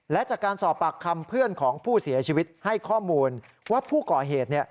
และจากการสอบปากคำเพื่อนของผู้เสียชีวิตให้ข้อมูลว่าผู้ก่อเหตุ